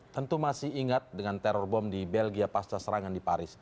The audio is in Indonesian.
tentu masih ingat dengan teror bom di belgia pasca serangan di paris